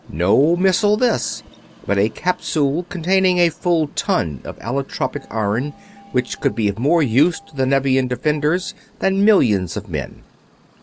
No missile this, but a capsule containing a full ton of allotropic iron, which would be of more use to the Nevian defenders than millions of men.